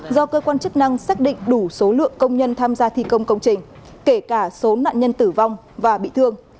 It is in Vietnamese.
do cơ quan chức năng xác định đủ số lượng công nhân tham gia thi công công trình kể cả số nạn nhân tử vong và bị thương